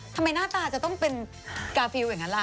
หน้าตาจะต้องเป็นกาฟิลอย่างนั้นล่ะ